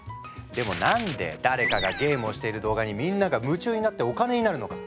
でも何で誰かがゲームをしている動画にみんなが夢中になってお金になるのか？